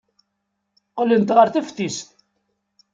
Qqlent ɣer teftist.